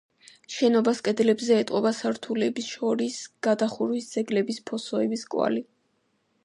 შენობას კედლებზე ეტყობა სართულებს შორის გადახურვის ძეგლების ფოსოების კვალი.